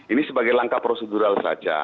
ini sebagai langkah prosedural saja